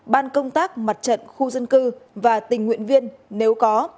ban công tác mặt trận khu dân cư và tình nguyện viên nếu có